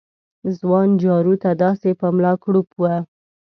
ځوان جارو ته داسې په ملا کړوپ و